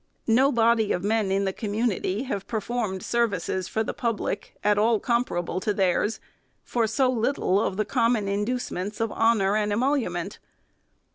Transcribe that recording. No body of men in the community have performed services for the public, at all comparable to theirs, for so little of the common inducements of honor and emolument.